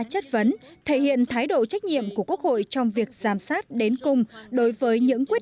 chất vấn thể hiện thái độ trách nhiệm của quốc hội trong việc giám sát đến cùng đối với những quyết